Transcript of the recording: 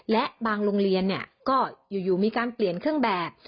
และบางโรงเรียนก็อยู่มีการเปลี่ยนเครื่องแบบ